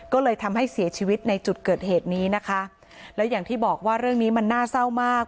ก็เลยทำให้เสียชีวิตในจุดเกิดเหตุนี้นะคะแล้วอย่างที่บอกว่าเรื่องนี้มันน่าเศร้ามาก